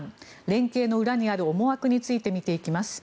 連携の裏にある思惑について見ていきます。